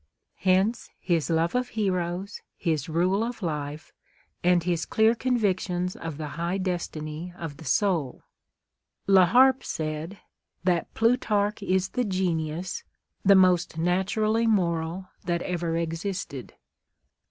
Hence his love of heroes, his rule of life, and his clear convictions of the high destiny of the soul. La Harpe said " that Plutarch is the genius the most naturally moral that ever existed."